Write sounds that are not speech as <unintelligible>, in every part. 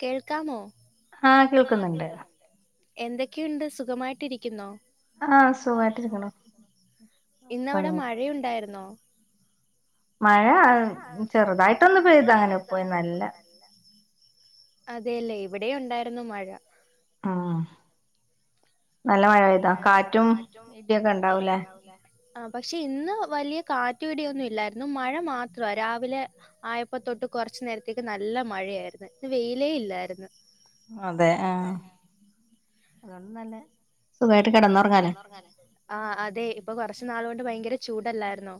കേൾക്കാമോ ആഹ് കേൾക്കാം എന്തൊക്കെയുണ്ട് സുഖമായിട്ടിരിക്കുന്നോ ആ സുഖായിട്ടിരിക്കുന്നു ഇന്നവിടെ മഴയുണ്ടായിരുന്നോ മഴ ചെറുതായിട്ടൊന്ന് പെയ്ത് അങ്ങനെ പോയി നല്ല അതെല്ലേ ഇവിടെ ഉണ്ടായിരുന്നു മഴ ആഹ് നല്ല മഴ പെയ്തോ കാറ്റും ഇടിയൊക്കെ ഉണ്ടാവൂലേ ആഹ് പക്ഷെ ഇന്ന് വലിയ കാറ്റും ഇടിയൊന്നും ഇല്ലായിരുന്നു മഴ മാത്ര രാവിലെ ആയപ്പ തൊട്ട് കുറച്ച്നേരത്തേക്ക് നല്ല മഴയായിരുന്നു ഇന്ന് വെയിലേ ഇല്ലായിര്ന്ന് അതെ ആഹ് <unintelligible> സുഖായിട്ട് കെടന്നുറങ്ങാലോ ഉറങ്ങാലോ ആഹ് അതെ ഇപ്പൊ കൊറച്ചു നാൾ കൊണ്ട് ഭയങ്കര ചൂടല്ലായിരുന്നോ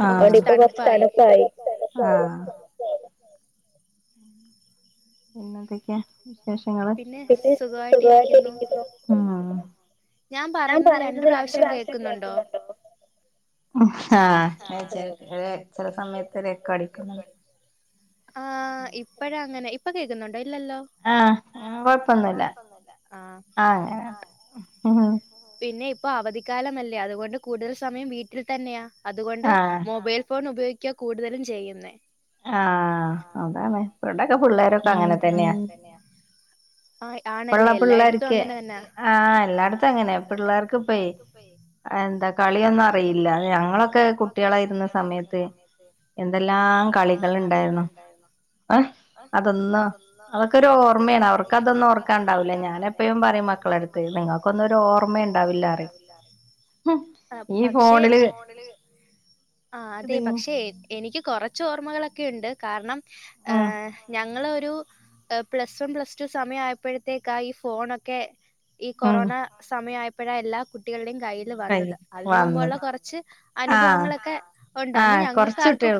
ആ ഹ്അതുകൊണ്ട് കുറച്ചു തണുപ്പ് ആയി പിന്നെതൊക്കെയ വിശേഷങ്ങള് പിന്നെ സുഖമായിരിക്കുന്നു ഞാൻ പറയുന്നത് രണ്ട് പ്രാവശ്യം കേൾക്കുന്നുണ്ടോ ആഹ് ച ചില ചില സമയത്ത് ഒരു എക്കോ അടിക്കുന്നുണ്ട് ആഹ് ഇപ്പഴ അങ്ങനെ ഇപ്പൊ കേൾക്കുന്നുണ്ടോ ഇല്ലല്ലോ ആഹ് കൊഴപ്പൊന്നുല്ല ആഹ് അങ്ങനെ പിന്നെ ഇപ്പൊ അവധിക്കാലമല്ലേ അതുകൊണ്ട് കൂടുതൽ സമയം വീട്ടിൽ തന്നെയാ അതുകൊണ്ട് മൊബൈൽ ഫോൺ ഉപയോഗിക്കുക കൂടുതലും ചെയ്യുന്നേ ആഹ അതാണ് ഇവിടോക്കെ പിള്ളേരൊക്കെ അങ്ങനെ തന്നെയാ. മ ആഹ പിള്ളേർക്ക് ആഹ എല്ലായിടത്തും അങ്ങനെ തന്നെ എന്താ കളിയൊന്നും അറിയില്ല ഞങ്ങളൊക്കെ കുട്ടികളായിരുന്ന സമയത്ത് എന്തെല്ലാം കളികൾ ഉണ്ടായിരുന്നു അതൊന്ന് അതൊക്കെരു ഓർമ്മയാണ് അവർക്ക് അതൊന്ന ഓർക്ക അതൊന്നും ഓക്കാൻണ്ടാവില്ല ഞാന എപ്പഴും പറയും മക്കള എടുത്ത അപ്പൊന്നും ഒരു ഓർമ്മയ ഉണ്ടാവില്ലാ ആർക്കും ആ പക്ഷെ ഫോണിലെ ആ അതെ എനിക്ക് കുറച്ച് ഓർമ്മകളൊക്കെ ഉണ്ട്. കാരണം ഞങ്ങളൊരു ് പ്ലസ് വൺ പ്ലസ് ടു സമയ ആയപ്പോഴത്തേക്കാ ഈ ഫോണൊക്കെ ഈ കൊറോണ സമയമായപ്പോഴാ എല്ലാ കുട്ടികളുടെയും കയ്യിൽ വന്നത് അതിനന് മുമ്പുള്ള കുറച്ച് അനുഭവങ്ങളൊക്കെ ഉണ്ട് അന്ന് ഞങ്ങൾക്കാർക്കും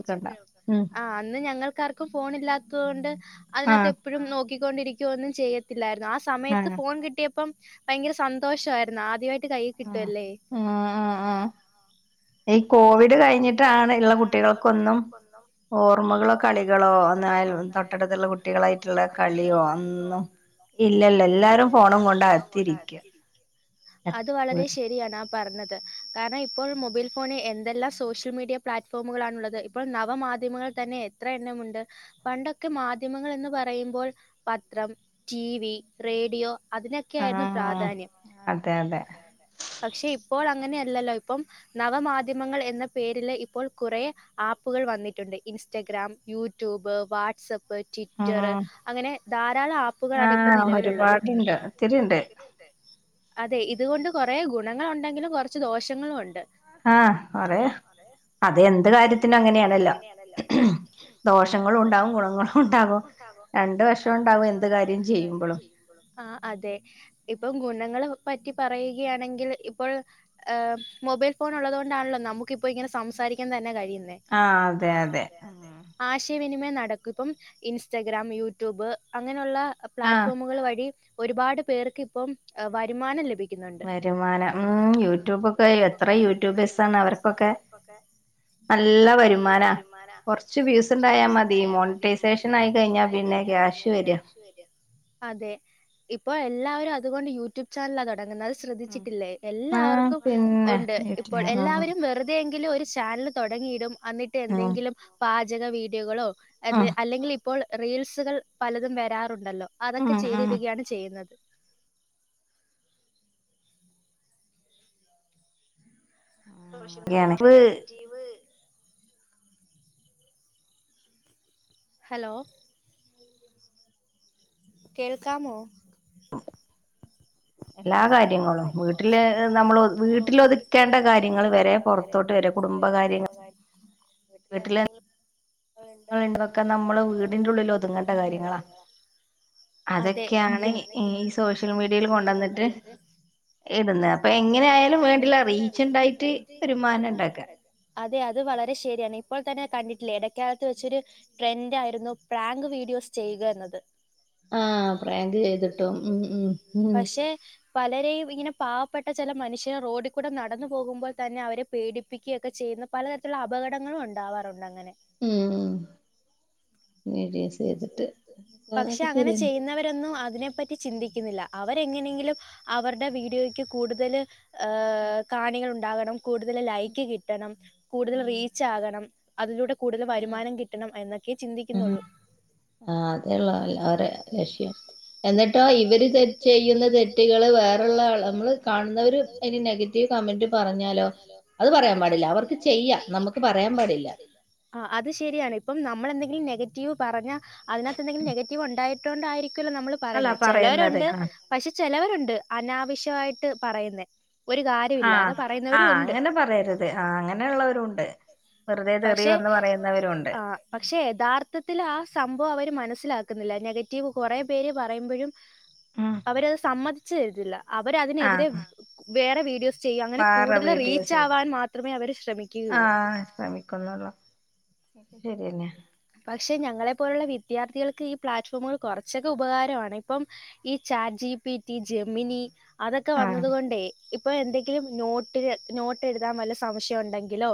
ആ അന്ന് ഞങ്ങൾക്ക് ഫോൺല്ലാത്ത കൊണ്ട് അതിനകത്ത് എപ്പോഴും നോക്കിക്കൊണ്ടിരിക്കുവൊന്നും ചെയ്യത്തില്ലായിരുന്നു സമയത്ത് ഫോൺ കിട്ടിയപ്പം ഭയങ്കര സന്തോഷമായിരുന്നു ആദ്യമായിട്ട് കൈ കിട്ടുവല്ലേ ആഹ ഈ കോവിഡ് കഴിഞ്ഞിട്ടാണ് ഉള്ള കുട്ടികൾക്കൊന്നും ഓർമ്മകളോ കളികളോ എന്നായൽ തൊട്ടടുത്തുള്ള കുട്ടികളായിട്ടുള്ള കളിയോ അന്നും ഇല്ലല്ല എല്ലാരും ഫോണും കൊണ്ടകത്തിരിക്കുക അത് വളരെ ശരിയാണ് ആ പറഞ്ഞത് കാരണം ഇപ്പോൾ മൊബൈൽ ഫോണിൽ ഇതെല്ലാം സോഷ്യൽ മീഡിയ പ്ലാറ്റ്ഫോമുകളാണ ഉുള്ളത് ഇപ്പോൾ നവ മാധ്യമങ്ങൾ തന്നെ എത്ര എണ്ണമുണ്ട് പണ്ടൊക്കെ മാധ്യമങ്ങൾ എന്ന് പറയുമ്പോൾ പത്രം ടി വി റേഡിയോ അതിനൊക്കെയ ആയിരുന്നു പ്രാധാന്യം. പക്ഷെ ഇപ്പോൾ അങ്ങനെയ അല്ലല്ലോ ഇപ്പം നവമാധ്യമങ്ങൾ എന്ന പേരിലെ ഇപ്പോൾ കുറെ ആപ്പുകൾ വന്നിട്ടുണ്ട് ഇൻസ്റ്റഗ്രാം യൂട്യൂബ് വാട്സ്ആപ്പ് ട്വിറ്റർ അങ്ങനെ ധാരാളം ആപ്പുകളാണ് ഇപ്പ നിലവിലുള്ളത്. ശരിയല്ലേ അതെ ഇതുകൊണ്ട് കൊറേ ഗുണങ്ങൾ ഉണ്ടെങ്കിലും കുറച്ച് ദോഷങ്ങളും ഉണ്ട്. ആഹ പറയാ അത് എന്ത് കാര്യത്തിനും അങ്ങനെയാണല്ലോ ദോഷങ്ങളും ഉണ്ടാവും ഗുണങ്ങളും ഉണ്ടാവും രണ്ട് വഷം ഉണ്ടാവും എന്ത് കാര്യം ചെയ്യുമ്പോളും ആ അതെ ഇപ്പം ഗുണങ്ങ പറ്റി പറയുകയാണെങ്കിൽ ഇപ്പോൾ മൊബൈൽ ഫോൺ ഉള്ളത കൊണ്ടാണല്ലോ നമുക്കിപ്പോ ഇങ്ങനെ സംസാരിക്കാൻ തന്നെ കഴിയുന്നേ ആഹ അതെ ആശയവിനിമയം നടക്കും ഇപ്പം ഇൻസ്റ്റഗ്രാം യൂട്യൂബ് അങ്ങനെയുള്ള പ്ലാറ്റ്ഫോമുകൾ വഴി ഒരുപാട് പേർക്ക് ഇപ്പം വരുമാനം ലഭിക്കും. വരുമാനം യൂട്യൂബൊക്കെ എത്ര യൂട്യൂബേഴ്സ ആണ് അവർക്കൊക്കെ നല്ല വരുമാനാ കുറച്ച് വ്യൂസ് ഉണ്ടായാൽ മതി മോണിറ്റൈസേഷൻ സേഷൻ ആയി കഴിഞ്ഞാ പിന്നെ ക്യാഷ് വര അതെ ഇപ്പോ എല്ലാവരും അതുകൊണ്ട് യൂട്യൂബ് ചാനലാ തുടങ്ങുന്നത്. ശ്രദ്ധിച്ചിട്ടില്ലേ എല്ലാവർക്കും ഉണ്ട് ഇപ്പോൾ എല്ലാവരും വെറുതെങ്കിലും ഒരു ചാനൽ തൊടങ്ങിയിടും എന്നിട്ട് എന്തെങ്കിലും പാചക വീഡിയോകളോ അല്ലെങ്കിൽ ഇപ്പോൾ റീൽസുകൾ പലതും വരാറുണ്ടല്ലോ അതൊക്കെ ചെയ്തിടുകയാണ് ചെയ്യുന്നത് സോഷ്യൽ മീഡിയയിൽ കൊറേ നെഗറ്റീവ് ഹലോ കേൾക്കാമോ എല്ലാ കാര്യങ്ങളും വീട്ടില് നമ്മള് വീട്ടിലൊതുക്കേണ്ട കാര്യങ്ങൾ വരെ പുറത്തോട്ട് വരും കുടുംബകാര്യങ്ങൾ <unintelligible> വീട്ടിലെന്തെങ്കിലും ഇപ്പ ഇണ്ടെന്നുണ്ടെങ്കിൽ അതൊക്കെ നമ്മള് വീടിന്റെ ഉള്ളിലൊതുങ്ങണ്ട കാര്യങ്ങളാ അതൊക്കെയാണ് ഈ സോഷ്യൽ മീഡിയയിൽ കൊണ്ടന്നിട്ട് ഇടുന്നെ അപ്പൊ എങ്ങനെ ആയാലും വേണ്ടില്ലാ റീച്ച്ണ്ടായിട്ട് വരുമാനഇണ്ടാക്കാ അതെ അത് വളരെ ശരിയാണ് ഇപ്പോൾ തന്നെ കണ്ടിട്ടില്ലേ എടക്കാത്ത് വെച്ചൊരു ട്രെന്റായിരുന്നു പ്രാങ്ക് വീഡിയോസ് ചെയ്യുക എന്നത് ആഹ് പ്രാങ്ക്ചെയ്തിട്ടു ഉം ഉം പക്ഷേ പലരേയും ഇങ്ങനെ പാവപ്പെട്ട ചെല മനുഷ്യർ റോഡിൽ കൂടെ നടന്നു പോകുമ്പോൾ തന്നെ അവരെ പേടിപ്പിയ്ക്കൊക്കെ ചെയ്യുന്ന പലതരത്തിലുള്ള അപകടങ്ങളും ഉണ്ടാവാറുണ്ട് അങ്ങനെ ഉം ഉം പക്ഷേ അങ്ങനെ ചെയ്യുന്നവരൊന്നും അതിനെ പറ്റി ചിന്തിക്കുന്നില്ല അവര് എങ്ങനെങ്കിലും അവർടെ വീഡിയോയ്ക്ക് കൂടുതല് ഏഹ് കാണികൾ ഉണ്ടാകണം കൂടുതൽ ലൈക്ക് കിട്ടണം കൂടുതൽ റീച്ചാകണം അതിലൂടെ കൂടുതൽ വരുമാനം കിട്ടണം എന്നൊക്കെ ചിന്തിക്കുന്നുള്ളൂ ആഹ് അതേയൊള്ളു അവര് അവർടെ ലക്ഷ്യം എന്നിട്ടോ ഇവര് ചെ ചെയ്യുന്നെ തെ റ്റ്കള് വേറുള്ളാള് നമ്മള് കാണുന്നവര് അതിന് നെഗറ്റീവ് കമന്റ് പറഞ്ഞാലോ അത് പറയാൻ പാടില്ല അവർക്ക് ചെയ്യാ നമുക്ക് പറയാൻ പാടില്ല ആഹ് അത് ശരിയാണ് ഇപ്പം നമ്മളെന്തെങ്കിലും നെഗറ്റീവ് പറഞ്ഞാ അതിനകത്തെന്തെങ്കിലും നെഗറ്റീവ് ഒണ്ടായി ട്ടോണ്ടായിരിക്കല്ലോ നമ്മള് പറയുന്നേ ചേലര്ഒണ്ട് പക്ഷേ ചെലവരുണ്ട് അനാവിശ്യആയിട്ട് പറയുന്നേ ഒരു കാര്യ ഇല്ലാതെ പറയുന്നവരും ഉണ്ട് അങ്ങനെ ഉള്ളവരുണ്ട് വെറുതെ തെറി വന്ന് പറയുന്നവരുണ്ട് പക്ഷേ എഥാർത്ഥത്തില് ആ സംഭവം അവര് മനസ്സിലാക്കുന്നില്ല നെഗറ്റീവ് കുറെ പേര് പറയുമ്പഴും അവരത് സമ്മതിച്ച്തരില്ല അവരതിനെതിരെ വേറെ വീഡിയോസ് ചെയ്യും അങ്ങനെ കൂടുതല് റീച്ചാവാൻ മാത്രമേ അവര് ശ്രമിക്കുകയുള്ളൂ ശ്രമിക്കുന്നുള്ളൂ ശരിയന്നേ പക്ഷേ ഞങ്ങളെപ്പോലുള്ള വിദ്യാർത്ഥികൾക്ക് ഈ പ്ലാറ്റ്ഫോമുകൾ കൊറച്ചൊക്കെ ഉപകാരഅണ് ഇപ്പം ഈ ചാറ്റ്ജിപിറ്റി, ജമിനീ അതൊക്കെ വന്നതുകൊണ്ടേ ഇപ്പൊ എന്തെങ്കിലും നോട്ടില് നോട്ട് എഴുതാൻ വല്ല സംശയൊണ്ടെ ങ്കിലോ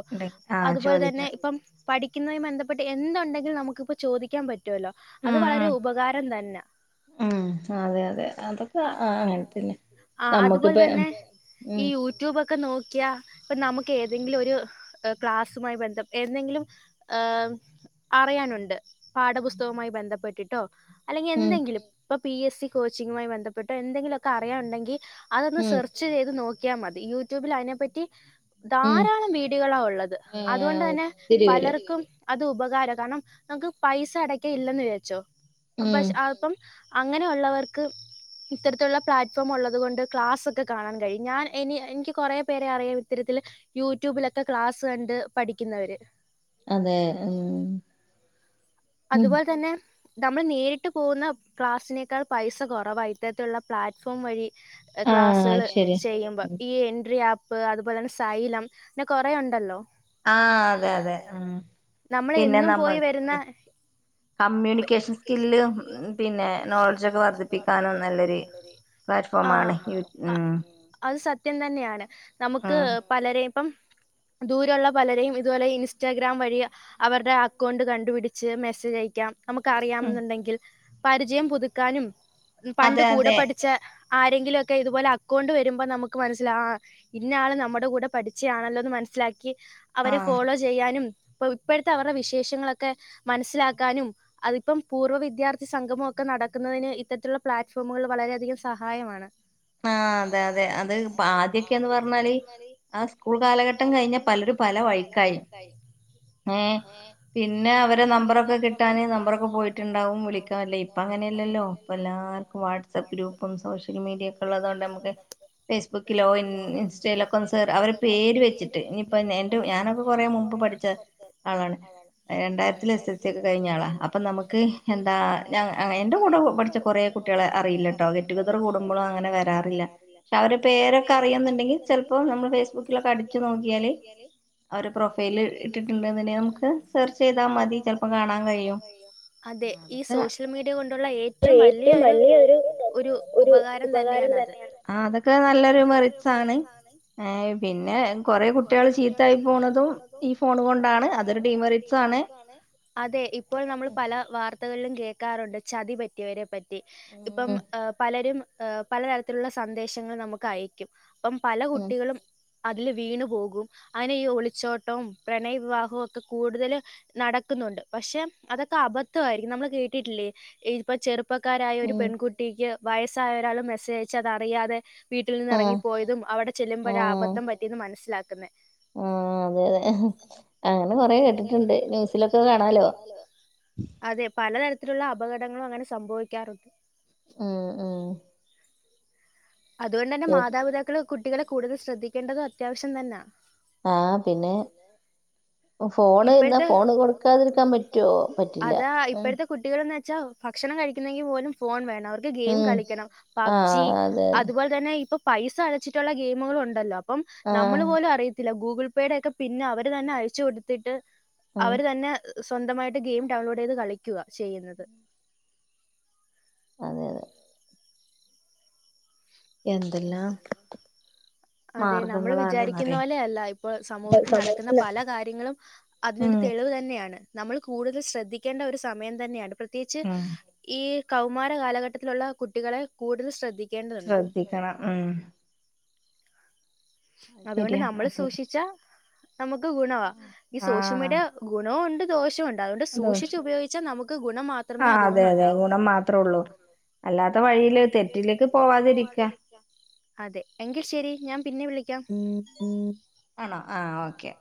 അതുപോൽതന്നെ ഇപ്പം പഠിക്കുന്ന ബന്ധപ്പെട്ട് എന്തൊ ണ്ടെങ്കിൽ നമുക്കിപ്പോ ചോദിക്കാൻ പറ്റുവല്ലോ അത് വളരെ ഉപകാരം തന്ന ഉം അതെ അതെ അതൊക്കെ ആഹ് അങ്ങൻതന്നെ ആഹ് അതുപോൽതന്നെ ഈ യൂ ട്യൂബൊക്കെ നോക്കിയാ ഇപ്പ നമുക്ക് ഏതെങ്കിലും ഒരു ക്ലാസ്സുമായി ബന്ധം ഏതെങ്കിലും ആം അറിയാനുണ്ട് പാഠപുസ്തകവുമായി ബന്ധപ്പെട്ടിട്ടോ അല്ലെങ്കി എന്തെങ്കിലും ഇപ്പൊ പി എസ് സി കോച്ചിങ്ങുമായി ബന്ധപ്പെട്ട് എന്തെങ്കിലൊക്കെ അറിയാന്ണ്ടെങ്കി അതൊന്ന് സെർ ച്ച്ചെയ്ത് നോക്കിയാ മതി യൂട്യൂബില് അയിനെപ്പറ്റി ധാരാളം വീടികളാഉള്ളത് അതുകൊണ്ട് തന്നെ പലർക്കും അത് ഉപകാരാ കാരണം നമുക്ക് പൈസ അടക്ക ഇല്ലന്ന് വിജാരിച്ചോ പക്ഷേ അപ്പം അങ്ങനെയുള്ളവർക്ക്. ഇത്തരത്തിലുള്ള പ്ലാറ്റ്ഫോം ഉള്ളത് കൊണ്ട് ക്ലാസ്ക്കെ കാണാൻ കഴിയും. ഞാൻ എനി എനിക്ക് കുറെേ പേരെ അറിയാം ഇത്തരത്തിൽ യൂട്യൂബിലൊക്കെ ക്ലാസ്സ് കണ്ട് പഠിക്കുന്നവര്. അതെ ഉം അതുപോലെ തന്നെ നമ്മൾ നേരിട്ട് പോകുന്ന ക്ലാസ്സിനേക്കാൾ പൈസ കുറവാണ്. ഇത്തരത്തിലുള്ള പ്ലാറ്റ്ഫോം വഴി. ക്ലാസ്സുകള് ചെയ്യുമ്പോ. ഈ എൻട്രി ആപ്പ് അതുപോലെ തന്നെ സൈലം അങ്ങെ കൊറെ ഉണ്ടല്ലോ? ആ നമ്മൾ എന്നും പോയി വരുന്ന. കമ്മ്യൂണിക്കേഷൻ സ്കില് പിന്നെ നോളജ ഒക്കെ വർദ്ധിപ്പിക്കാനും നല്ലൊരു. പ്ലാറ്റ്ഫോമ് ആണ് യ ഉ അത് സത്യം തന്നെയാണ് നമുക്ക് പലരയു ഇപ്പം. ദൂരെയുള്ള പലരെയും ഇതുപോലെ ഇൻസ്റ്റാഗ്രാം വഴി അവരുടെ അക്കൗണ്ട് കണ്ടുപിടി വച്ച് മെസ്സേജ് അയക്കാം നമുക്ക് അറിയാംമോന്നുണ്ടെങ്കിൽ പരിചയം പുതുക്കാനും. പണ്ട് കൂടെ പഠിച്ച ആരെങ്കിലുംഒക്കെ ഇതുപോലെ അക്കൗണ്ട് വരുമ്പോ നമുക്ക് മനസ്സിലാവും. ഇന്ന ആള് നമ്മുടെ കൂടെ പഠിച്ചയാണല്ലോന്ന് മനസ്സിലാക്കി. അവരെ ഫോളോ ചെയ്യാനും ഇപ്പ ഇപ്പോഴത്തെ അവരുടെ വിശേഷങ്ങളൊക്കെ മനസ്സിലാക്കാനും. അതിപ്പം പൂർവ്വ വിദ്യാർത്ഥി സംഗമോ ഒക്കെ നടക്കുന്നതിന് ഇത്തരത്തിലുള്ള പ്ലാറ്റ്ഫോമുകിൽ വളരെയധികം സഹായമാണ്. ആ <unintelligible> ആഹ അതെ അതെ അത് ആദ്യൊക്കെന്ന് പറഞ്ഞാല് ആ സ്കൂൾ കാലഘട്ടം കഴിഞ്ഞാൽ പലരും. പലര് ഫല വഴികയി. ഏ പിന്നെ അവരെ നമ്പറൊക്കെ കിട്ടാന് നമ്പറൊക്കെ പോയിട്ടുണ്ടാവും വിളിക്കാല്ല ഇപ്പ അങ്ങനെയല്ലോ അ എല്ലാവർക്കും. വാട് വാട്സ്ആപ്പ് ഗ്രൂപ്പും സോഷ്യൽ മീഡിയ ഒക്കെള്ളത് കൊണ്ട് നമുക്ക്. ഫേസ്ബുക്കിലോ ഇൻസ്റ്റയിലൊക്കെ ഒന്ന് സർ അവര് പേര് വെച്ചിട്ട് ഇനിയിപ്പ എന്റെ ഞാനൊക്കെ കുറെ മുമ്പ് പഠിച്ച ട് അങ്ങനെ രണ്ടായിരത്തി എസ് എസ് സി ഒക്കെ കഴിഞ്ഞ ആളാണ്. അപ്പം നമുക്ക് എന്താ ഞാ എൻ്റെ കൂടെ പഠിച്ച കുറേ കുട്ടികളെ അയില്ലട്ടോ ഗെറ്റ്ഗെതർ കടുമ്പോ അങ്ങനെ വരാറില്ല പക്ഷെ അവരു പേരൊക്കെ അറിയന്നുണ്ടെങ്കിൽ ചിലപ്പോ നമ്മള് ഫേസ്ബുക്കിലൊക്കെ അടിച്ചു നോക്കിയാല്. അവര് പ്രൊഫൈല് ഇട്ടിട്ടുണ്ട് കി നമുക്ക് സെർച്ച് ചെയ്താൽ മതി ചിലപ്പോം കാണാൻ കഴിയും. അതെ ഈ സോഷ്യൽ മീഡിയ കൊണ്ടുള്ള ഏറ്റവും വലിയ ഒരു ഒരു ഒരു ഉപകാരം തന്ന ആ അതൊക്കെ നല്ലൊരു മറിച്ചാണ്. ഏ പിന്നെ കുറെ കുട്ടികൾ ചീത്തായി പോണതും. ഈ ഫോണ് കൊണ്ടാണ് അതൊരു ഡീമെറിറ്റ്സ ആണ്. അതെ ഇപ്പോൾ നമ്മൾ പല വാർത്തകളിലും കേൾക്കാറുണ്ട്. ചതി പറ്റിയവരെ പറ്റി. ഇപ്പം പലരും പലതരത്തിലുള്ള സന്ദേശങ്ങൾ നമുക്ക് അയക്കും. ഇപ്പം പല കുട്ടികളും. അതില് വീണ് പോകും അങ്ങനെ ഈ ഒളിച്ചോട്ടവും പ്രണയ വിവാഹവും ഒക്കെ കൂടുതല്. നടക്കുന്നുണ്ട് പക്ഷെ അതൊക്കെ അബദ്ധമായിരിക്കും നമ്മൾ കേട്ടിട്ടില്ലേ. എഴു ഇപ്പൊ ചെറുപ്പക്കാരായ ഒരു പെൺകുട്ടിക്ക്. വയസ്സായ ഒരാളും മെസ്സേജ് അയച്ച് അത് അറിയാതെ വീട്ടിൽ നിന്ന് ഇറങ്ങിപ്പോയതും അവിടെ ചെല്ലുമ്പോഴെ അബദ്ധം പറ്റിന്ന് മനസ്സിലാക്കുന്നോ. ആ അതെ അതെ അങ്ങനെ കൊറെ കേട്ടിട്ടുണ്ട്. അതെ പലതരത്തിലുള്ള അപകടങ്ങളും അങ്ങനെ സംഭവിക്കാറുണ്ട്. ഉം ഉം അതുകൊണ്ട് തന്നെ മാതാപിതാക്കൾ കുട്ടികളെ കൂടുതൽ ശ്രദ്ധിക്കേണ്ടതും അത്യാവ്യം തന്നാ ആഹ് പിന്നെ ഫോണ് ഇന്നാ ഫോണ് കൊടുക്കാതിരിക്കാൻ പറ്റുവോ? പറ്റില്ല ഉം കുട്ടികള്ന്ന് വെച്ചാ ഭക്ഷണം കഴിക്കുന്നെങ്കി പോലും ഫോൺ വേണവർക്ക് അവർക്ക് ഗെയിം കളിക്കണം പബ്ജി, അതുപോലെ തന്നെയിപ്പം പൈസ അടച്ചിട്ടുള്ള ഗെയിമുകളുണ്ടല്ലോ? ഇപ്പം നമ്മള് പോലും അറിയത്തില്ല ഗൂഗിൾ പേയുടെയൊക്കെ പിന്നെ അവര് തന്നെ അയച്ച് കൊടുത്തിട്ട് അവര് തന്നെ സ്വന്തമായിട്ട് ഗെയിം ഡൗൺലോഡെയ്ത് കളിക്കുവാ ചെയ്യുന്നത് അതെയതെ എന്തെല്ലാം അതെ നമ്മള് വിചാരിക്കുന്ന പോലെയല്ല ഇപ്പൊ സമൂഹത്തി നടക്കുന്ന പല കാര്യങ്ങളും അതിനൊരു തെളിവ് തന്നെയാണ് നമ്മള് കൂടുതൽ ശ്രദ്ധിക്കേണ്ടൊരു സമയം തന്നെയാണ് പ്രത്യേകിച്ച് ഈ കൗമാര കാലഘട്ടത്തിലുള്ള കുട്ടികളെ കൂടുതൽ ശ്രദ്ധിക്ക ശ്രദ്ധിക്കണം ഉം അതുകൊണ്ട് നമ്മള് സൂക്ഷിച്ചാ നമക്ക് ഗുണവാ ഈ സോഷ്യൽ മീഡിയ ഗുണവുമുണ്ട് ദോഷവുമുണ്ട് അതുകൊണ്ട് സൂക്ഷിച്ച് ഉപയോഗിച്ചാ നമുക്ക് ഗുണം മാത്രമേ അതുകൊണ്ടുണ്ടാവൂ ഗുണം മാത്രൊള്ളൂ അല്ലാത്ത വഴിയില് തെറ്റിലേക്ക് പോവാതിരിക്ക അതെ എങ്കിൽ ശെരി ഞാൻ പിന്നെ വിളിക്കാം ആണോ? ആ ഓക്കെ